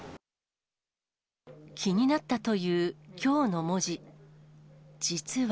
気になったという京の文字。